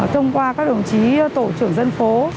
thông qua các đồng chí tổ trưởng dân phố